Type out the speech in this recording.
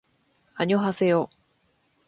あにょはせよ